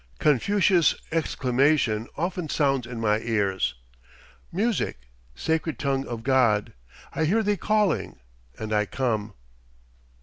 Confucius' exclamation often sounds in my ears: "Music, sacred tongue of God! I hear thee calling and I come."